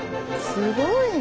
すごいね。